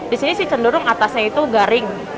di sini sih cenderung atasnya itu garing